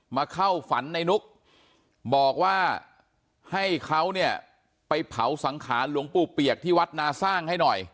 มาเข้าฝันในนุกบอกว่าให้เขาเนี่ยไปเผาสังขารหลวงปู่เปียกที่วัดนาสร้างให้หน่อย